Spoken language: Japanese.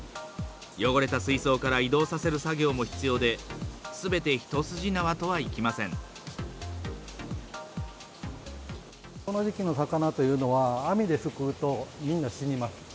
汚れた水槽から移動させる作業も必要で、すべて一筋縄とはいきまこの時期の魚というのは、網ですくうとみんな死にます。